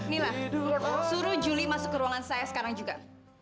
nila suruh julie masuk ke ruangan saya sekarang juga